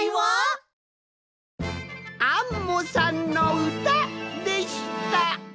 「アンモさんのうた」でした！